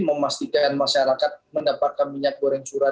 memastikan masyarakat mendapatkan minyak goreng curah